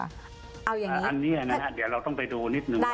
อันนี้น่ะเดี๋ยวเราต้องไปดูนิดหนึ่ง